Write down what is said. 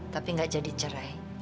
tapi gak jadi cerai